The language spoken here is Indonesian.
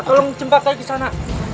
tolong jembatan ke sana